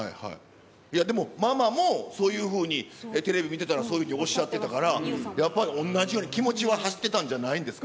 いや、でもママも、そういうふうにテレビ見てたらそういうふうにおっしゃってたから、やっぱり同じように、気持ちは走ってたんじゃないですか。